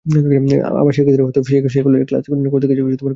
অথবা শিক্ষার্থীরা হয়তো সেই কলেজে ক্লাসই করেনি, করতে গেছে কোচিং কেন্দ্রে।